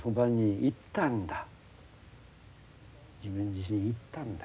自分自身行ったんだ。